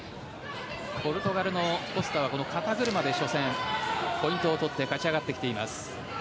ポルトガルのコスタは肩車で初戦、ポイントを取って勝ち上がってきています。